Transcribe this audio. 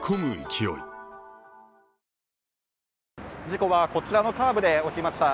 事故はこちらのカーブで起きました。